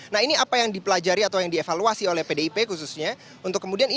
nah ini apa yang dipelajari atau yang dievaluasi oleh pdip khususnya